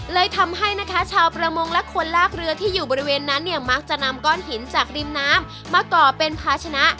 เลยทำให้นะคะชาวประมงและคนลากเรือที่อยู่บริเวณนั้นเนี่ยมักจะนำก้อนหินจากริมน้ำมาก่อเป็นภาชนะ